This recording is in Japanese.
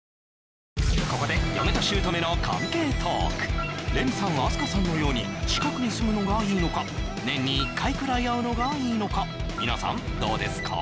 ここでレミさん明日香さんのように近くに住むのがいいのか年に１回くらい会うのがいいのか皆さんどうですか？